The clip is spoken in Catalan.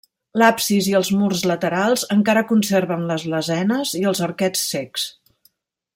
L'absis i els murs laterals encara conserven les lesenes i els arquets cecs.